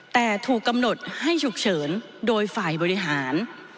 แต่ถูกกำหนดให้ฉุกเฉินโดยฝ่ายบริหาร